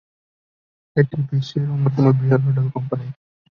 এটি বিশ্বের অন্যতম বৃহৎ হোটেল কোম্পানি।